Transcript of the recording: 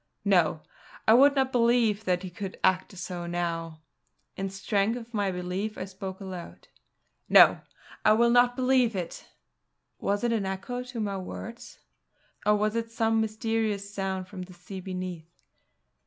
No! I would not believe that he could act so now. In strength of my belief I spoke aloud: "No! I will not believe it!" Was it an echo to my words? or was it some mysterious sound from the sea beneath?